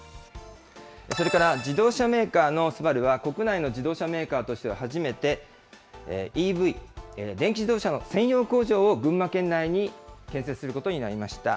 それから自動車メーカーのＳＵＢＡＲＵは、国内の自動車メーカーとしては初めて、ＥＶ・電気自動車の専用工場を群馬県内に建設することになりました。